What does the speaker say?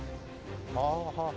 はあはあ。